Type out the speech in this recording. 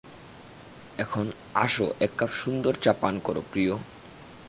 এখন, আসো এক কাপ সুন্দর চা পান করো, প্রিয়।